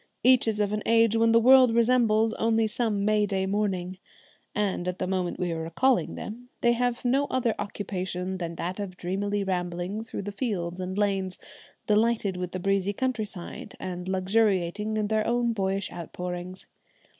Each is of an age when the world resembles only some May day morning, and at the moment we are recalling them they have no other occupation than that of dreamily rambling through the fields and lanes, delighted with the breezy country side, and luxuriating in their own boyish outpourings.